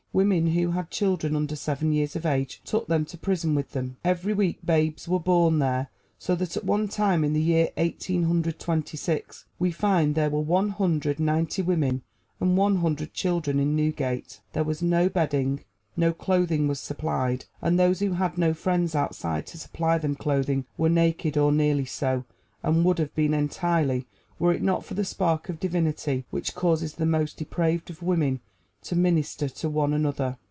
Women who had children under seven years of age took them to prison with them; every week babes were born there, so that at one time, in the year Eighteen Hundred Twenty six, we find there were one hundred ninety women and one hundred children in Newgate. There was no bedding. No clothing was supplied, and those who had no friends outside to supply them clothing were naked or nearly so, and would have been entirely were it not for that spark of divinity which causes the most depraved of women to minister to one another.